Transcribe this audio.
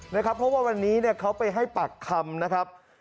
เพราะว่าวันนี้เขาไปให้ปากคำนะครับ